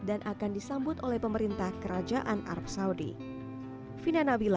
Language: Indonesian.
dan akan disambut oleh pemerintah kerajaan arab saudi